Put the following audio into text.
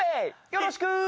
よろしく！